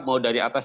mau dari atas